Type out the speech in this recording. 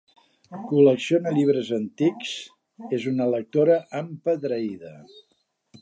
Col·lecciona llibres antics, és una lectora empedreïda.